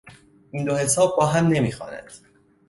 این دو حساب با هم نمی خوانند.